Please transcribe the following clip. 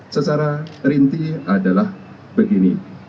secara rinci adalah begini